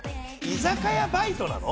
居酒屋バイトなの？